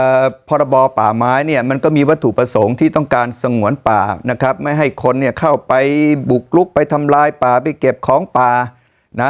พรบป่าไม้เนี่ยมันก็มีวัตถุประสงค์ที่ต้องการสงวนป่านะครับไม่ให้คนเนี่ยเข้าไปบุกลุกไปทำลายป่าไปเก็บของป่านะ